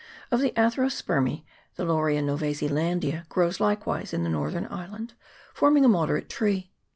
Of the Atherospermece, the Laurelia Nov. Zeland. grows likewise in the northern island, forming a moderate tree.